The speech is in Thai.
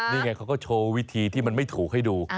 นี่ไงเขาก็โชว์วิธีที่มันไม่ถูกให้ดู